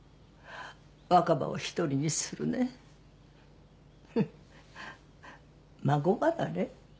若葉を１人にするねふふっ孫離れ？